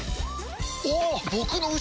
おっ！